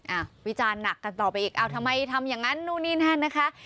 วิจารณ์หนักกันต่อไปอีกเอาทำไมทำอย่างนั้นนู่นนี่นั่นนะคะ